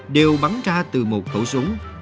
đều bắn ra từ một thổ súng